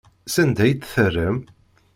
Sanda ay t-terram?